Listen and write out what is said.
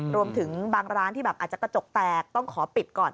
รวมถึงบางร้านที่แบบอาจจะกระจกแตกต้องขอปิดก่อน